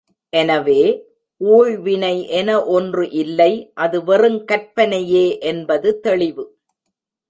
எனவே, ஊழ்வினை என ஒன்று இல்லை அது வெறுங் கற்பனையே என்பது தெளிவு.